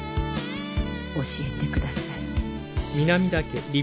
教えてください」。